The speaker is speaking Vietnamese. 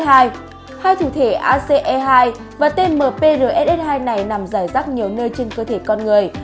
hai thủ thể ace hai và tmprss hai này nằm rải rắc nhiều nơi trên cơ thể con người